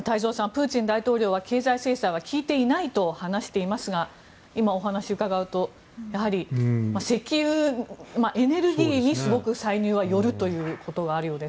プーチン大統領は経済制裁は効いていないと話していますが今お話を伺うとやはり、エネルギーにすごく歳入はよるということがあるようです。